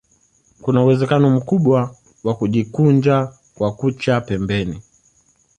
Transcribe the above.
Kuna uwezekano mkubwa wa kujikunja kwa kucha pembeni